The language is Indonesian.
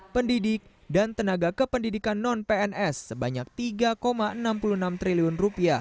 pendidik dan tenaga kependidikan non pns sebanyak rp tiga enam puluh enam triliun